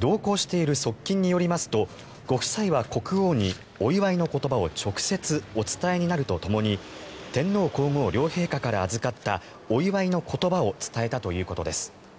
同行している側近によりますとご夫妻は国王にお祝いの言葉を直接お伝えになるとともに天皇・皇后両陛下から預かったお祝いの言葉を伝えたということです。